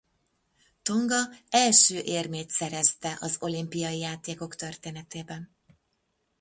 Tonga első érmét szerezte az olimpiai játékok történetében.